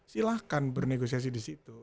silahkan bernegosiasi di situ